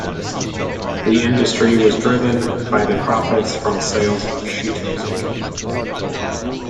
The industry was driven by the profits from the sales of sheet music.